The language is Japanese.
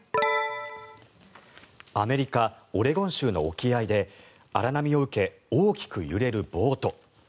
アメリカ・オレゴン州の沖合で荒波を受け大きく揺れるボート。